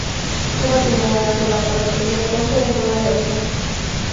Cuba tiene una sola carnicería kosher en toda la isla.